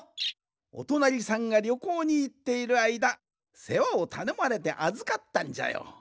おとなりさんがりょこうにいっているあいだせわをたのまれてあずかったんじゃよ。